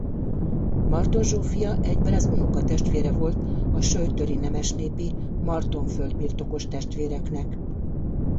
Marton Zsófia egyben az unokatestvére volt a söjtöri nemesnépi Marton földbirtokos testvéreknek.